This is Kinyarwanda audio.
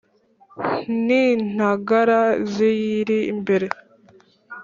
n'intagara ziyiri imbere